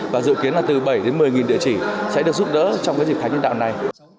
và dự kiến là từ bảy đến một mươi địa chỉ sẽ được giúp đỡ trong cái dịp tháng nhân đạo này